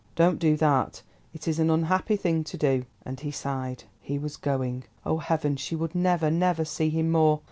"Don't do that; it is an unhappy thing to do," and he sighed. He was going! Oh, heaven! she would never, never see him more!